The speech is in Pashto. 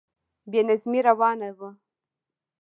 بې نظمی روانه وه.